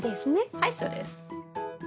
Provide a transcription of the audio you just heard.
はいそうです。